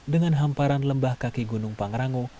dengan hamparan lembah kaki gunung pangrango